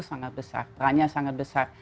sangat besar perannya sangat besar